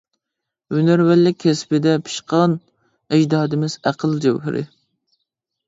ھۈنەرۋەنلىك كەسپىدە پىشقان، ئەجدادىمىز ئەقىل جەۋھىرى.